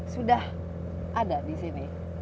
sudah ada di sini